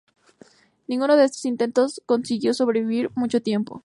Ninguno de estos intentos consiguió sobrevivir mucho tiempo.